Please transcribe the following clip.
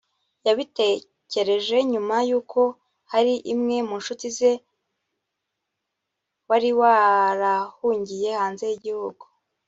yabitekereje nyuma y’uko hari imwe mu ncuti ze wari warahungiye hanze y’igihugu